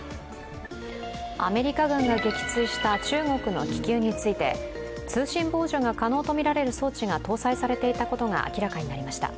アメリカ軍が撃墜した中国の気球について通信傍受が可能とみられる装置が搭載されていたことが明らかになりました。